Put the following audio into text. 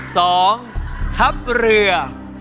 สองทัพเรือ